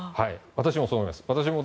私もそう思います。